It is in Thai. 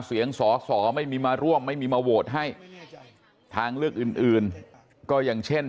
เสียงสอสอไม่มีมาร่วมไม่มีมาโหวตให้ทางเลือกอื่นก็อย่างเช่น